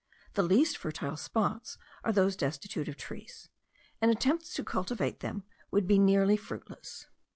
The least fertile spots are those destitute of trees; and attempts to cultivate them would be nearly fruitless.